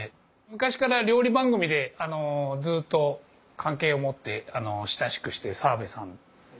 昔から料理番組でずっと関係を持って親しくしてる沢辺さん。